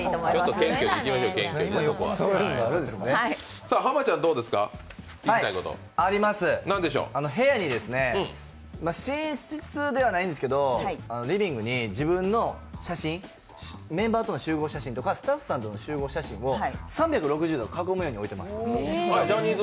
謙虚にいきましょう、謙虚に部屋に、寝室ではないんですけど、リビングに自分の写真、メンバーとの集合写真とかスタッフさんとの集合写真を３６０度囲むように置いてます。